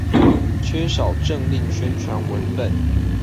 缺少政令宣傳文本